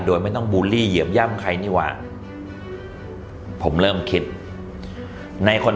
โดยไม่ต้องบูลลี่เหยียบย่ำใครนี่ว่ะผมเริ่มคิดในคน